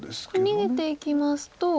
逃げていきますと。